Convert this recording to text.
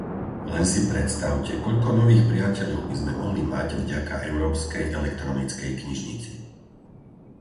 Len si predstavte, koľko nových priateľov by sme mohli mať vďaka európskej elektronickej knižnici!